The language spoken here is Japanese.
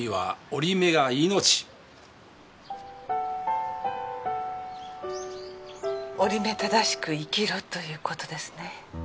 折り目正しく生きろという事ですね。